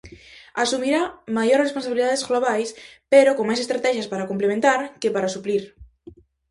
Asumirá maiores responsabilidades globais pero con máis estratexias para complementar que para suplir.